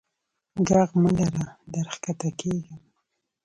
ږغ مه لره در کښته کیږم.